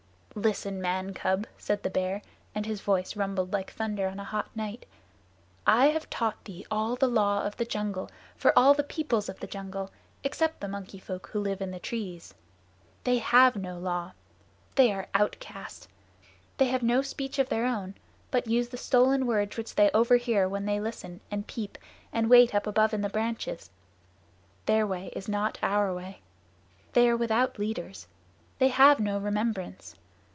"Listen, man cub," said the Bear, and his voice rumbled like thunder on a hot night. "I have taught thee all the Law of the Jungle for all the peoples of the jungle except the Monkey Folk who live in the trees. They have no law. They are outcasts. They have no speech of their own, but use the stolen words which they overhear when they listen, and peep, and wait up above in the branches. Their way is not our way. They are without leaders. They have no remembrance.